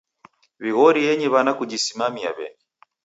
W'ighorienyi w'ana kujisimaia w'eni.